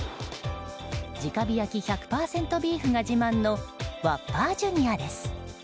直火焼き１００％ビーフが自慢のワッパーＪｒ．です。